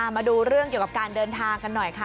มาดูเรื่องเกี่ยวกับการเดินทางกันหน่อยค่ะ